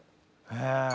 へえ。